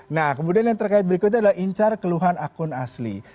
nah kemudian yang terkait berikutnya adalah incar keluhan akun asli